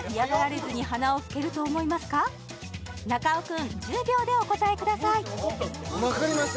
中尾君１０秒でお答えくださいわかりました